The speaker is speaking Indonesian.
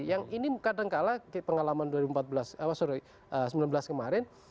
yang ini kadangkala pengalaman sembilan belas kemarin